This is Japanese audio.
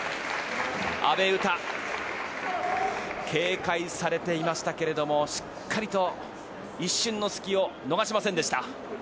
阿部詩、警戒されていましたがしっかりと一瞬の隙を逃しませんでした。